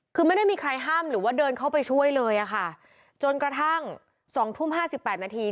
คือไม่ได้มีใครห้ามหรือว่าเดินเข้าไปช่วยเลยอะค่ะจนกระทั่งสองทุ่มห้าสิบแปดนาที